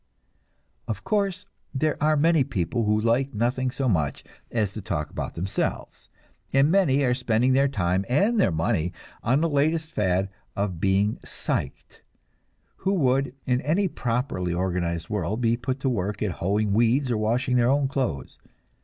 Of course there are many people who like nothing so much as to talk about themselves; and many are spending their time and their money on the latest fad of being "psyched," who would, in any properly organized world, be put to work at hoeing weeds or washing their own clothes.